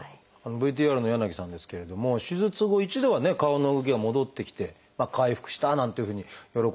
ＶＴＲの柳さんですけれども手術後一度はね顔の動きが戻ってきて回復したなんていうふうに喜んでいらっしゃいました。